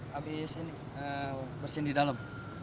habis bersihin di dalam